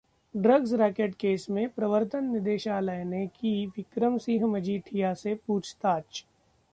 drugs racket case में प्रवर्तन निदेशालय ने की विक्रम सिंह मजीठिया से पूछताछ